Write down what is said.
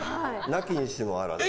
なきにしもあらず。